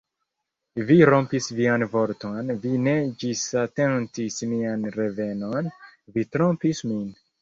Vi rompis vian vorton, vi ne ĝisatendis mian revenon, vi trompis min!